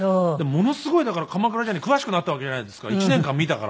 ものすごいだから鎌倉時代に詳しくなったわけじゃないですか１年間見たから。